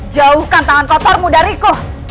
jauhkan tangan kotormu dariku